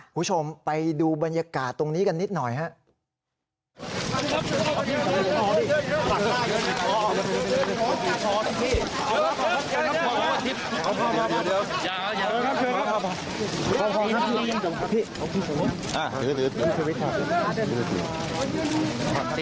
คุณผู้ชมไปดูบรรยากาศตรงนี้กันนิดหน่อยครับ